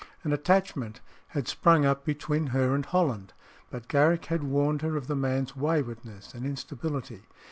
An attachment had sprung up between her and Holland, but Garrick had warned her of the man's waywardness and instability.